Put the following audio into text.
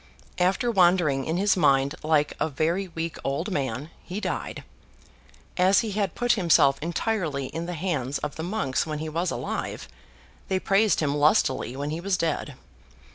After wandering in his mind like a very weak old man, he died. As he had put himself entirely in the hands of the monks when he was alive, they praised him lustily when he was dead.